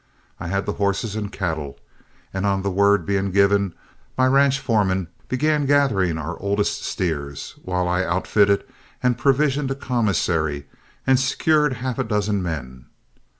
I had the horses and cattle, and on the word being given my ranch foreman began gathering our oldest steers, while I outfitted and provisioned a commissary and secured half a dozen men.